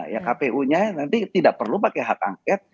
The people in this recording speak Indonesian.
ya kpu nya nanti tidak perlu pakai hak angket